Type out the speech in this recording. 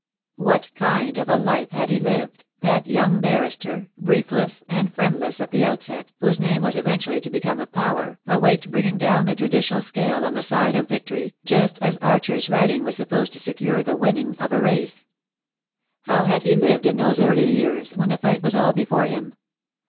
What kind of a life had he lived, that young barrister, briefless and friendless at the outset, whose name was eventually to become a power, a weight bring ing down the judicial scale on the side of victory, just as Archer's riding was supposed to secure the winning THE DAY WILL COME. 5Q of a race. How had he lived in those early years, when the light was all before him?